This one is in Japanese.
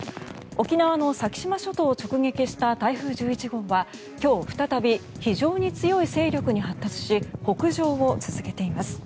沖縄の先島諸島を直撃した台風１１号は今日再び非常に強い勢力に発達し北上を続けています。